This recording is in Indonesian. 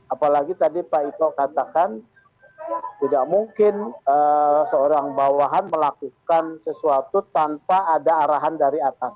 apalagi tadi pak ito katakan tidak mungkin seorang bawahan melakukan sesuatu tanpa ada arahan dari atas